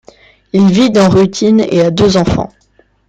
Il vit dans Ruthin et a deux enfants.